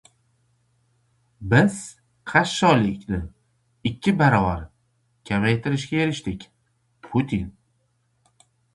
Biz qashshoqlikni ikki barobar kamaytirishga erishdik — Putin